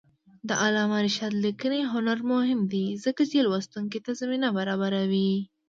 د علامه رشاد لیکنی هنر مهم دی ځکه چې لوستونکي ته زمینه برابروي.